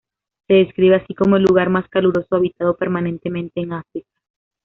Se describe así, como el lugar más caluroso habitado permanentemente en África.